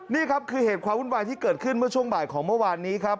นี่ครับคือเหตุความวุ่นวายที่เกิดขึ้นเมื่อช่วงบ่ายของเมื่อวานนี้ครับ